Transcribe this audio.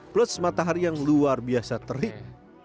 plus matahari yang luar biasa terik